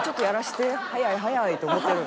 早い早い」と思ってる。